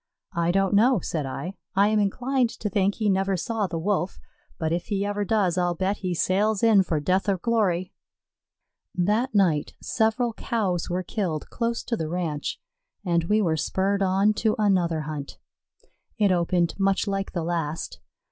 "I don't know," said I. "I am inclined to think he never saw the Wolf; but if he ever does, I'll bet he sails in for death or glory." That night several Cows were killed close to the ranch, and we were spurred on to another hunt. It opened much like the last.